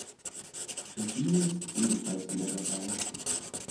Regine ist ebenfalls wieder dabei.